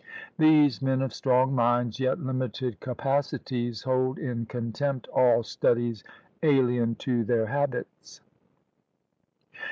These men of strong minds, yet limited capacities, hold in contempt all studies alien to their habits.